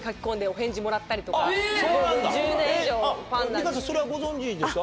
美香さんそれはご存じでした？